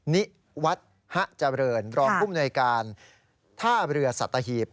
นิวัทธ์ฮะเจริญรอบคุมในการท่าเรือสัตตาหีบ